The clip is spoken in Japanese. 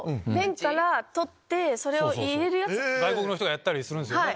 外国の人がやったりするんですよね。